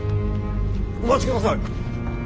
お待ちください。